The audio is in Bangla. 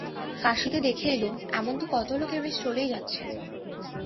কাশীতে দেখে এলুম, এমন তো কত লোকের বেশ চলে যাচ্ছে।